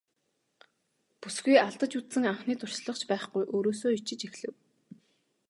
Бүсгүй алдаж үзсэн анхны туршлага ч байхгүй өөрөөсөө ичиж эхлэв.